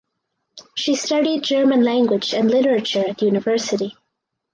She studied German language and literature at university.